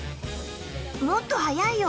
もっと速いよ。